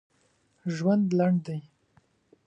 ژوند لنډ دی